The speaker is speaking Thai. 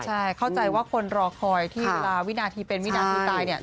ใช่เข้าใจว่าคนรอคอยที่เวลาวินาทีเป็นวินาทีตายเนี่ย